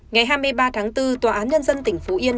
ngày hai mươi ba tháng bốn tòa án nhân dân tỉnh phú yên